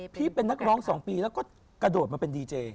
พี่เป็นนักร้อง๒ปีแล้วก็กระโดดมาเป็นดีเจ